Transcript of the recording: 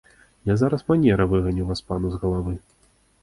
Я зараз манеры выганю васпану з галавы!